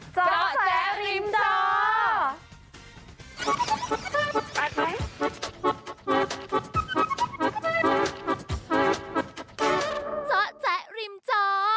เจาะแจ๊กริมจอ